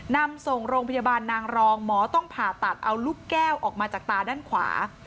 นำส่งโรงพยาบาลนางรองหมอต้องผ่าตัดเอาลูกแก้วออกมาจากตาด้านขวา